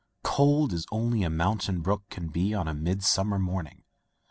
Cold as only a mountain brook can be on a midsummer morning.